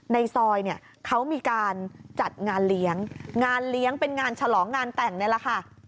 ในซอยเนี่ยเขามีการจัดงานเลี้ยงงานเลี้ยงเป็นงานฉลองงานแต่งนี่แหละค่ะ